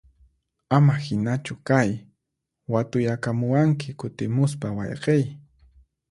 Ama hinachu kay, watuyakamuwanki kutimuspa wayqiy!